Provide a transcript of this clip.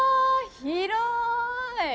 広い！